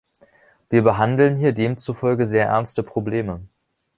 Wir behandeln hier demzufolge sehr ernste Probleme.